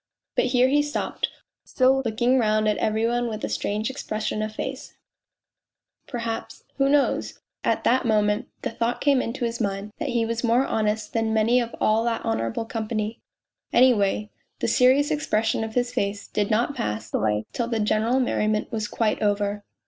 ..." But here he stopped, still looking round at every one with a strange expression of face; perhaps who knows? at that moment the thought came into his mind that he was more honest than many of all that honourable company. ... Any way, the serious expression of his face did not pass away till the general merriment was quite ov r.